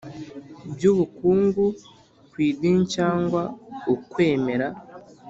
By ubukungu ku idini cyangwa ukwemera